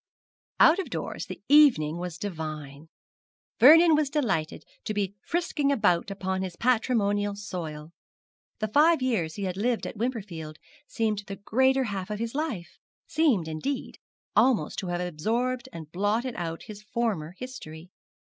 Out of doors the evening was divine. Vernon was delighted to be frisking about upon his patrimonial soil. The five years he had lived at Wimperfield seemed the greater half of his life seemed, indeed, almost to have absorbed and blotted out his former history.